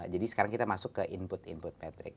jadi sekarang kita masuk ke input input patrick